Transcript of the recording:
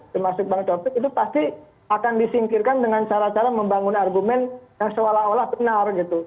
termasuk bang taufik itu pasti akan disingkirkan dengan cara cara membangun argumen yang seolah olah benar gitu